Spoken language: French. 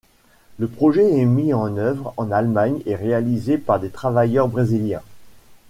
Le projet est mis en œuvre en Allemagne et réalisé par des travailleurs brésiliens.